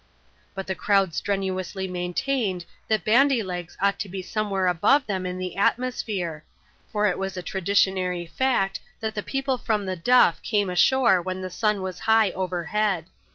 " But the crowd strenuously maintained, that Bandy Legs ought to be somewhere above them in the atmosphere ; for it Was a traditionary fact, that the people from the Duff came ashore when the sun was high over head.